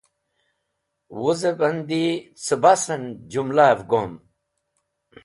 Wuzẽb andi cẽbasẽn jũmlavẽ gom.